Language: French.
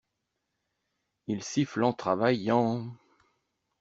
Il siffle en travaillant.